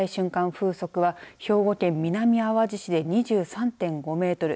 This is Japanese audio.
風速は兵庫県南あわじ市で２３．５メートル